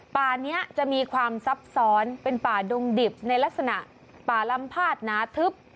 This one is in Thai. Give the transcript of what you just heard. ป่านี้จะมีความซับซ้อนเป็นป่าดงดิบในลักษณะป่าลำพาดหนาทึบ